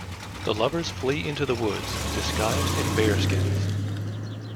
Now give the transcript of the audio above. The lovers flee into the woods, disguised in bear-skins.